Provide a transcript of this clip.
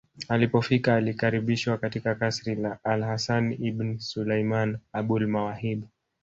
Alipofika alikaribishwa katika kasri la alHasan ibn Sulaiman AbulMawahib